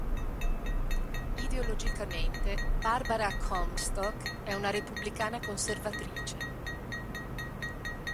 Ideologicamente Barbara Comstock è una repubblicana conservatrice.